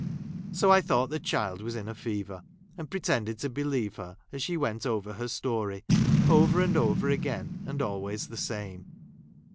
So I thought the child was in a fever, and pre¬ tended to believe her, as she went over her story — over and over again, and always the | same.